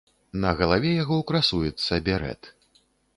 На галаве яго красуецца берэт.